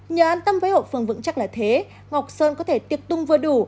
nhờ an tâm với hậu phương vững chắc là thế ngọc sơn có thể tiệc tung vừa đủ